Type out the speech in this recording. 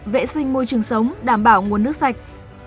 vệ sinh môi trường sống đảm bảo nguồn nước sạch